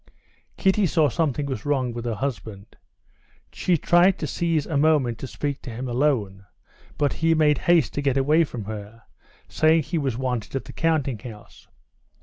Kitty saw something was wrong with her husband. She tried to seize a moment to speak to him alone, but he made haste to get away from her, saying he was wanted at the counting house.